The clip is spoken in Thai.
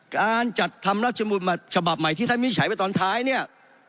การจัดทำรัฐมนุนฉบับใหม่ที่ท่านวิจัยไปตอนท้ายเนี่ย